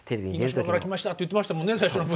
「因島から来ました」って言ってましたもんね。